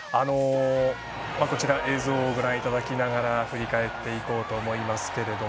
映像をご覧いただきながら振り返っていこうと思いますが。